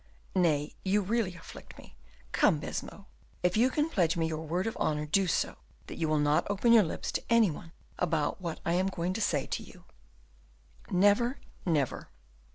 "Nay, you really afflict me. Come, Baisemeaux, if you can pledge me your word of honor, do so, that you will not open your lips to any one about what I am going to say to you." "Never, never!"